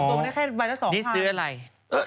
นี่ซื้ออะไร